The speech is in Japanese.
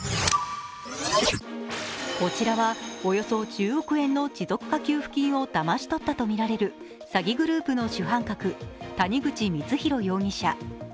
こちらは、およそ１０億円の持続化給付金をだまし取ったとみられる詐欺グループの主犯格・谷口光弘容疑者。